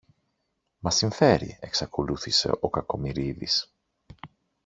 Μας συμφέρει, εξακολούθησε ο Κακομοιρίδης.